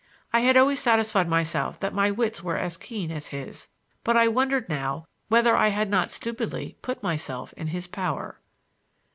I had always satisfied myself that my wits were as keen as his, but I wondered now whether I had not stupidly put myself in his power.